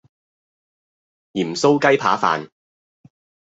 鹽酥雞扒飯